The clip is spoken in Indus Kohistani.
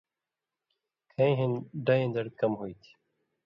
کَھیں ہِن ڈائیں دڑ کم ہوتھی۔